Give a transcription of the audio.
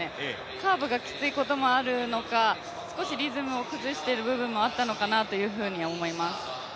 カーブがきついこともあるのか、少しリズムを崩している部分もあったのかなと思います。